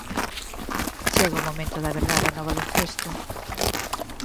Chega o momento da verdade no baloncesto.